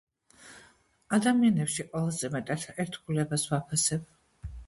ადამიანებში ყველაზე მეტად ერთგულებას ვაფასებ.